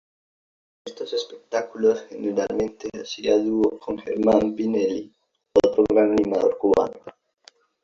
En estos espectáculos generalmente hacía dúo con Germán Pinelli, otro gran animador cubano.